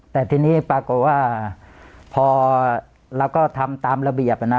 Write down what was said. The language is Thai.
แต่ทีนี้ปรากฏว่าพอเราก็ทำตามระเบียบนะ